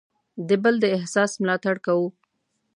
د بل د احساس ملاتړ کوو.